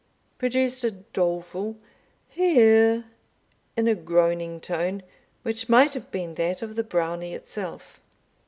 produced a doleful "Here," in a groaning tone, which might have been that of the Brownie itself.